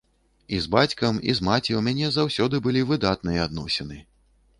І з бацькам, і з маці ў мяне заўсёды былі выдатныя адносіны.